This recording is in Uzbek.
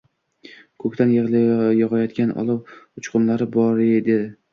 Ko‘kdan yog‘ayotgan olov uchqunlari bore di.